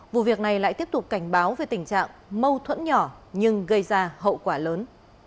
vụ việc này lại tiếp tục cảnh báo về tình trạng mâu thuẫn nhỏ nhưng gây ra hậu quả lớn